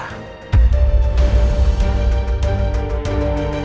dia gak berdosa